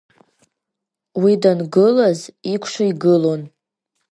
Уи дангылаз икәшо игылон…